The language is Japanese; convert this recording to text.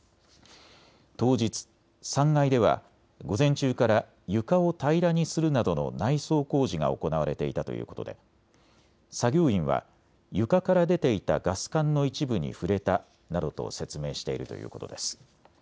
当日、３階では午前中から床を平らにするなどの内装工事が行われていたということで作業員は床から出ていたガス管の一部に触れたなどと説明しているということです。